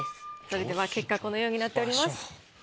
それでは結果このようになっております。